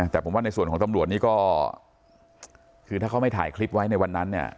แต่ผมว่าในส่วนของตำรวจนี่ก็คือถ้าเขาไม่ถ่ายคลิปไว้ในวันนั้นเนี่ย